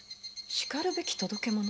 「しかるべき届け物」？